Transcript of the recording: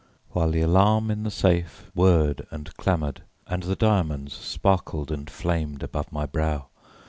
while the alarm in the safe whirred and clamoured, and the diamonds sparkled and flamed above my brow.